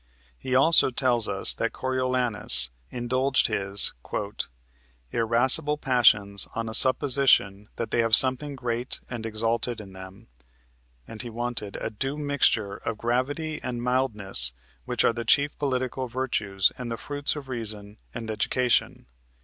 He also tells us that Coriolanus indulged his "irascible passions on a supposition that they have something great and exalted in them," and that he wanted "a due mixture of gravity and mildness, which are the chief political virtues and the fruits of reason and education."